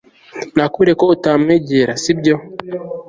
nakuburiye ko utamwegera, sibyo